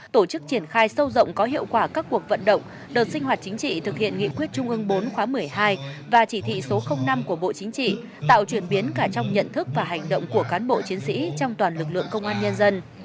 tổ chức triển khai sâu rộng có hiệu quả các cuộc vận động đợt sinh hoạt chính trị thực hiện nghị quyết trung ương bốn khóa một mươi hai và chỉ thị số năm của bộ chính trị tạo chuyển biến cả trong nhận thức và hành động của cán bộ chiến sĩ trong toàn lực lượng công an nhân dân